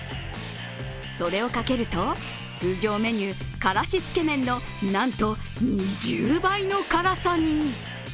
それをかけると、通常メニュー、辛子つけめんのなんと２０倍の辛さに。